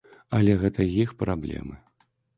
Але гэта іх праблемы.